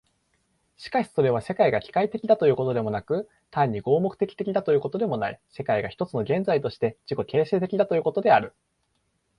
しかしそれは、世界が機械的だということでもなく、単に合目的的だということでもない、世界が一つの現在として自己形成的だということである。